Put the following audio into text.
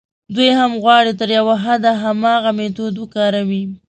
دوی هم غواړي تر یوه حده همدغه میتود وکاروي.